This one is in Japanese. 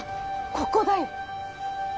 ここだよ！